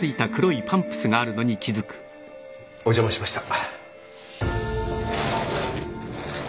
お邪魔しました。